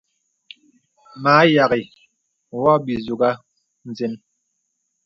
Mə a yaghì wɔ bìzūkə̀ nzən.